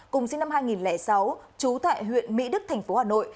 cùng sinh năm hai nghìn sáu trú tại huyện mỹ đức thành phố hà nội